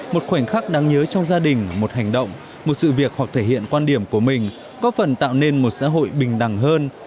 một khoảnh khắc đáng nhớ trong gia đình một hành động một sự việc hoặc thể hiện quan điểm của mình có phần tạo nên một xã hội bình đẳng hơn